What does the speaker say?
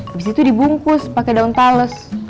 abis itu dibungkus pake daun tales